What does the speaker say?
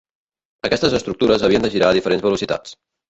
Aquestes estructures havien de girar a diferents velocitats.